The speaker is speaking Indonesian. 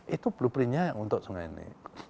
itu blueprintnya untuk sungai ini